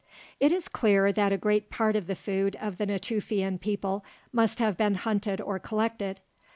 It is clear that a great part of the food of the Natufian people must have been hunted or collected.